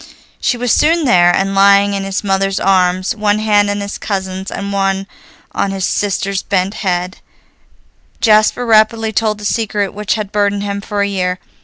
She was soon there, and, lying in his mother's arms, one hand in his cousin's, and one on his sister's bent head, Jasper rapidly told the secret which had burdened him for a year.